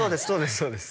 そうです